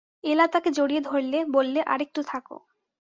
এলা তাকে জড়িয়ে ধরলে, বললে, আর-একটু থাকো।